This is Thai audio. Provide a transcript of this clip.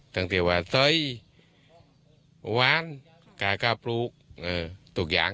ตั้งแต่ว่าเตรียมวานกาการพลูกตรงทุกอย่าง